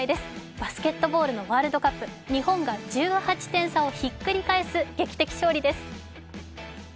バスケットボールのワールドカップ、日本が１８点差をひっくり返す劇的勝利です。